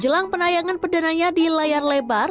jelang penayangan perdananya di layar lebar